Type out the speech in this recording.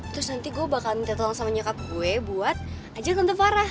terus nanti gue bakal minta tolong sama nyokap gue buat ajak tante farah